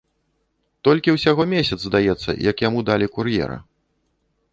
Толькі ўсяго месяц, здаецца, як яму далі кур'ера.